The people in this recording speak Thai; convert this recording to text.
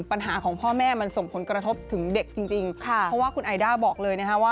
ปัญหาของพ่อแม่มันส่งผลกระทบถึงเด็กจริงจริงค่ะเพราะว่าคุณไอด้าบอกเลยนะคะว่า